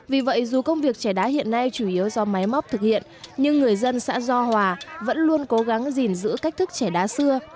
vì vậy dù công việc trẻ đá hiện nay chủ yếu do máy móc thực hiện nhưng người dân xã do hòa vẫn luôn cố gắng gìn giữ cách thức trẻ đá xưa